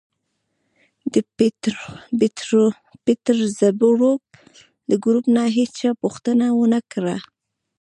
د پېټرزبورګ له ګروپ نه هېچا پوښتنه و نه کړه